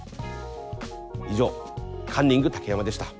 以上カンニング竹山でした。